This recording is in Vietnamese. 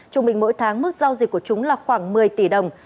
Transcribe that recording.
trung bình mỗi tháng mức giao dịch của chúng là khoảng một mươi tỷ đồng